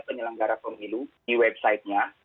penyelenggara pemilu di website nya